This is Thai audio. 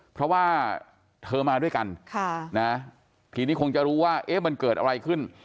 เพราะว่าเธอมาด้วยกันทีนี้คงจะรู้ว่ามันเกิดอะไรขึ้น